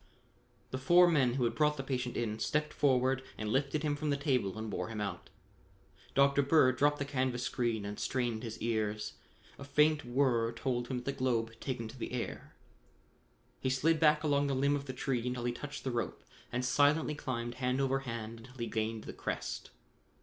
The four men who had brought the patient in stepped forward and lifted him from the table and bore him out. Dr. Bird dropped the canvas screen and strained his ears. A faint whir told him that the globe had taken to the air. He slid back along the limb of the tree until he touched the rope and silently climbed hand over hand until he gained the crest.